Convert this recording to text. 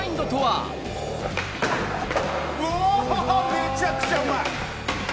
めちゃくちゃうまい。